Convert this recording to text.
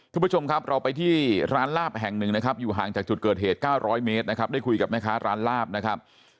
คุณผู้ชมครับเราไปที่ร้านลาบแห่งหนึ่งนะครับอยู่ห่างจากจุดเกิดเหตุ๙๐๐เมตรนะครับได้คุยกับแม่ค้าร้านลาบนะครับ